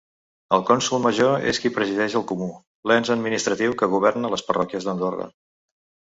El cònsol major és qui presideix el comú, l'ens administratiu que governa les parròquies d'Andorra.